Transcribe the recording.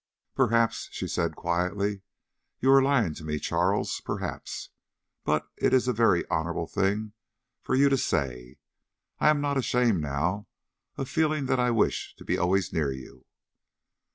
"Perhaps," she said quietly, "you are lying to me, Charles. Perhaps. But it is a very honorable thing for you to say. I am not ashamed, now, of feeling that I wish to be always near you."